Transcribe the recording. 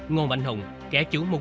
ngôn bạch hùng kẻ chủ môn